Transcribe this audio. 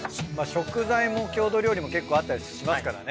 食材も郷土料理もけっこうあったりしますからね。